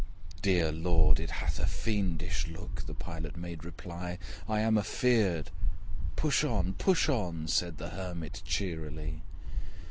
'Dear Lord! it hath a fiendish look (The Pilot made reply) I am a feared' 'Push on, push on!' Said the Hermit cheerily.